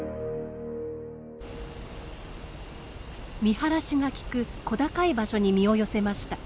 見晴らしがきく小高い場所に身を寄せました。